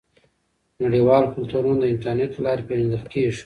نړیوال کلتورونه د انټرنیټ له لارې پیژندل کیږي.